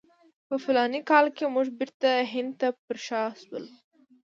په فلاني کال کې موږ بیرته هند ته پر شا شولو.